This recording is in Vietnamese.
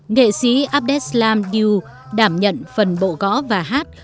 nghệ sĩ abdeslam nhu đảm nhận phần bộ gõ và hát